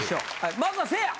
まずはせいや！